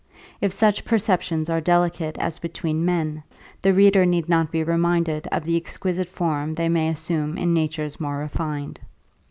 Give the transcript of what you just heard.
If such perceptions are delicate as between men, the reader need not be reminded of the exquisite form they may assume in natures more refined.